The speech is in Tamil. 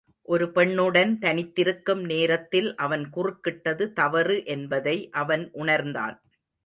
ஒரு பெண்ணுடன் தனித்திருக்கும் நேரத்தில் அவன் குறுக்கிட்டது தவறு என்பதை அவன் உணர்ந்தான்.